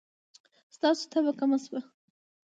ستاسو تبه کمه شوه؟